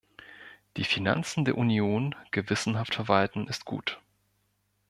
Die Finanzen der Union gewissenhaft verwalten ist gut.